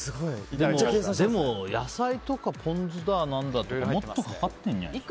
でも、野菜とかポン酢だってもっとかかってるんじゃないですか。